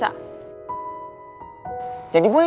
aku telponnya juga ga bisa bisa